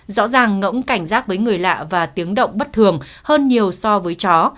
rõ ràng ngẫm cảnh giác với người lạ và tiếng động bất thường hơn nhiều so với chó